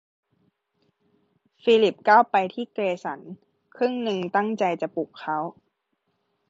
ฟิลิปก้าวไปที่เกรสันครึ่งหนึ่งตั้งใจจะปลุกเขา